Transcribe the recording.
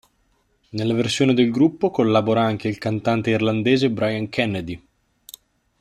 Nella versione del gruppo collabora anche il cantante irlandese Brian Kennedy.